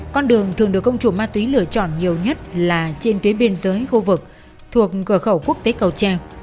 con đường thường được công chủ ma túy lựa chọn nhiều nhất là trên tuyến biên giới khu vực thuộc cửa khẩu quốc tế cầu treo